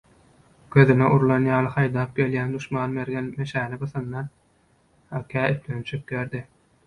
Gözüne urulan ýaly haýdap gelýän duşman mergen mäşäni gysandan kä eplenip çökýärdi